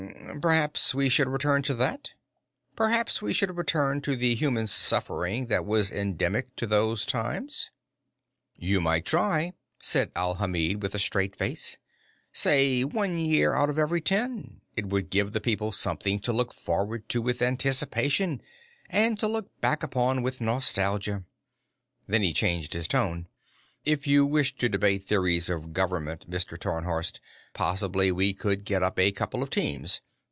Hm m m. Perhaps we should return to that? Perhaps we should return to the human suffering that was endemic in those times?" "You might try it," said Alhamid with a straight face. "Say, one year out of every ten. It would give the people something to look forward to with anticipation and to look back upon with nostalgia." Then he changed his tone. "If you wish to debate theories of government, Mr. Tarnhorst, possibly we could get up a couple of teams.